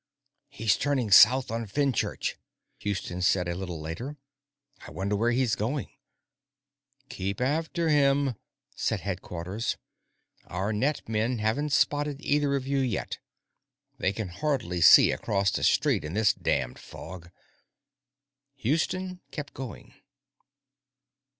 "He's turning south on Fenchurch," Houston said a little later. "I wonder where he's going." "Keep after him," said Headquarters. "Our net men haven't spotted either of you yet. They can hardly see across the street in this damned fog." Houston kept going.